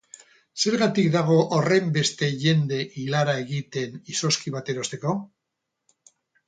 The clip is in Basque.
Zergatik dago horrenbeste jende ilara egiten izozki bat erosteko?